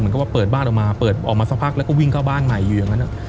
ว่าเปิดบ้านออกมาเปิดออกมาสักพักแล้วก็วิ่งเข้าบ้านใหม่อยู่อย่างนั้น